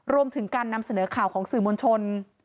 รวมถึงการนำเสนอข่าวของสื่อมวลชน